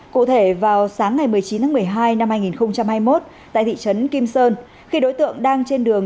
cụ thể vào sáng ngày một mươi chín tháng một mươi hai năm hai nghìn hai mươi một tại thị trấn kim sơn khi đối tượng đang trên đường